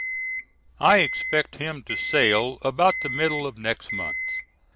I expect him to sail about the middle of next month.